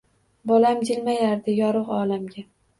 Bolam jilmayardi yorug‘ olamga